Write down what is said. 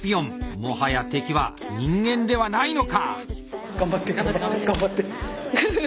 もはや敵は人間ではないのか？